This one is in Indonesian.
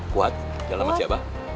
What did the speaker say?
kuat jalan sama si abah